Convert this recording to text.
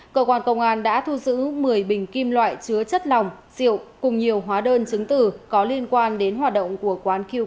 cơ quan công an đã thu giữ một mươi bình kim loại chứa chất lòng rượu cùng nhiều hóa đơn chứng tử có liên quan đến hoạt động của quán keo